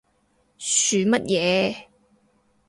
噓乜嘢？